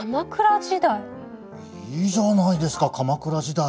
いいじゃないですか鎌倉時代。